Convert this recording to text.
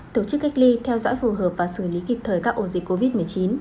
tổ chức cách ly theo dõi phù hợp và xử lý kịp thời các ổ dịch covid một mươi chín